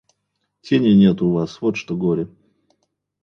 Тени нет у вас, вот что горе.